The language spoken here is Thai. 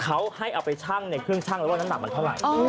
เขาให้เอาไปชั่งในเครื่องชั่งแล้วว่าน้ำหนักมันเท่าไหร่